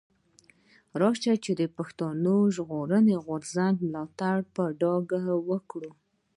راشئ چي د پښتون ژغورني غورځنګ ملاتړ په ډاګه وکړو.